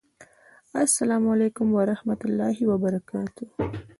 السلام علیکم ورحمة الله وبرکاته!